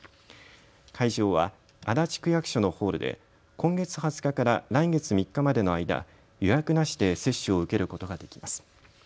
会場は足立区役所のホールで今月２０日から来月３日までの間、予約なしで接種を受けることができます。